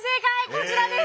こちらです。